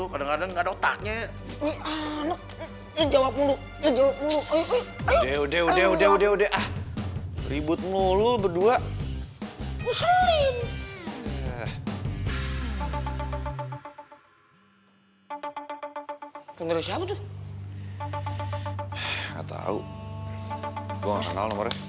gue gak kenal nomornya